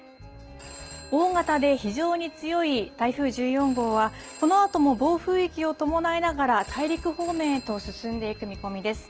大型で非常に強い台風１４号は、このあとも暴風域を伴いながら、大陸方面へと進んでいく見込みです。